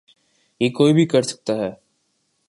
یہ کوئی بھی کر سکتا ہے۔